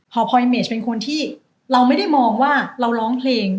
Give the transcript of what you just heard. พอพลอยเมจเป็นคนที่เราไม่ได้มองว่าเราร้องเพลง